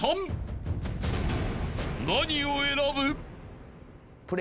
［何を選ぶ？］